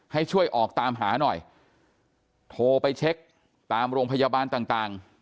ให้ช่วยออกตามหาหน่อยโทรไปเช็คตามโรงพยาบาลต่าง